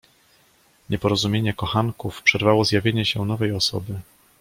"Nieporozumienie kochanków przerwało zjawienie się nowej osoby."